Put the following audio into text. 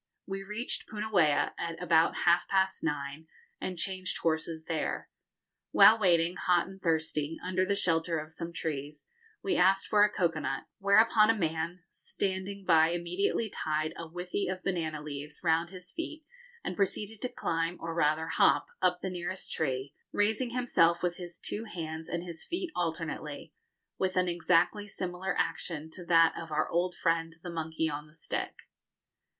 We reached Punauia at about half past nine, and changed horses there. While waiting, hot and thirsty, under the shelter of some trees, we asked for a cocoa nut, whereupon a man standing by immediately tied a withy of banana leaves round his feet and proceeded to climb, or rather hop, up the nearest tree, raising himself with his two hands and his feet alternately, with an exactly similar action to that of our old friend the monkey on the stick.